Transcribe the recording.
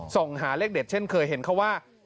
ส่องหาเลขเด็ดเช่นเคยเห็นเขาว่า